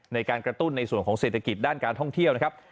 ในการกระตุ้นในส่วนของเศรษฐกิจด้านการท่องเที่ยวนะครับ